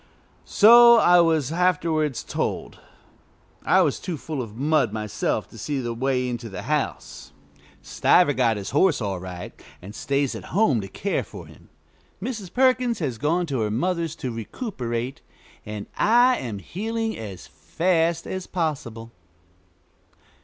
So I was afterwards told. I was too full of mud myself to see the way into the house. Stiver got his horse all right, and stays at home to care for him. Mrs. Perkins has gone to her mother's to recuperate, and I am healing as fast as possible.